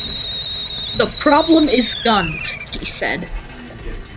"The problem is guns," he said.